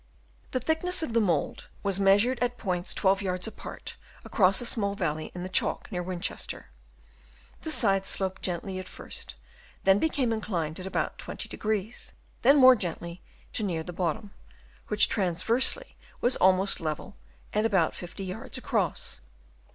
The thickness of the mould was measured at points 12 yards apart across a small valley in the Chalk near Winchester. The sides sloped gently at first ; then became inclined at about 20° ; then more gently to near the bottom, which transversely was almost level and about 50 vards across.